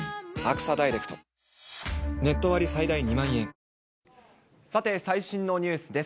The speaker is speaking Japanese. あなたもさて、最新のニュースです。